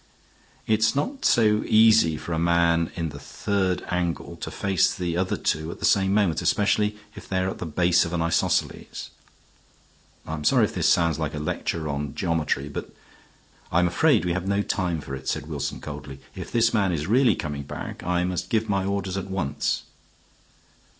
"It's not so easy for a man in the third angle to face the other two at the same moment, especially if they are at the base of an isosceles. I am sorry if it sounds like a lecture on geometry, but " "I'm afraid we have no time for it," said Wilson, coldly. "If this man is really coming back, I must give my orders at once."